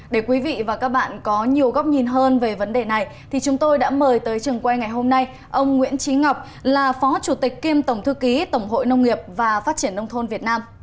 để quý vị và các bạn có nhiều góc nhìn hơn về vấn đề này chúng tôi đã mời tới trường quay ngày hôm nay ông nguyễn trí ngọc là phó chủ tịch kiêm tổng thư ký tổng hội nông nghiệp và phát triển nông thôn việt nam